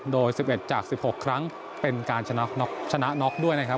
โดย๑๑จาก๑๖ครั้งเป็นการชนะน็อกด้วยนะครับ